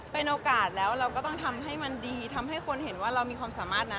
เป็นโอกาสแล้วเราก็ต้องทำให้มันดีทำให้คนเห็นว่าเรามีความสามารถนะ